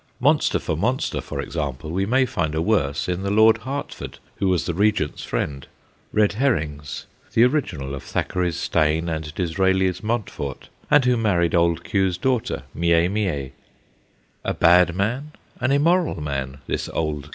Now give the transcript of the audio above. Monster for monster, for example, we may find a worse in the Lord Hertford who was the Regent's friend, ' Red Herrings/ the original of Thackeray's Steyne and Disraeli's Mont fort, and who married Old Q.'s daughter 'Mie Mie.' A bad man, an immoral man, this Old Q.